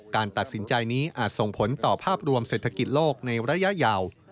การตัดสินใจนี้อาจส่งผลต่อภาพรวมเศรษฐกิจโลกในระยะยาว